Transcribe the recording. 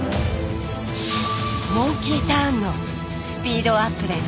「モンキーターン」のスピードアップです。